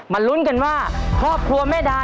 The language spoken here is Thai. ลุ้นกันว่าครอบครัวแม่ดา